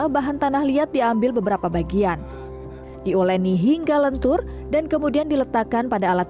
bahan tanah liat diambil beberapa bagian diuleni hingga lentur dan kemudian diletakkan pada alat